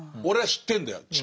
「俺は知ってんだよ。